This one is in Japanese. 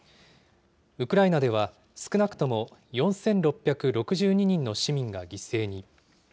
ウクライナでは少なくとも４６６２人の市民が犠牲に。